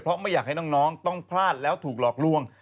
เพราะไม่อยากให้น้องต้องพลาดแล้วถูกหลอกลวง